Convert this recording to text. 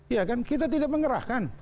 ya kan kita tidak mengerahkan